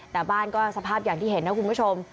แต่บ้านก็สภาพอย่างที่เห็นนะคุณผู้ชม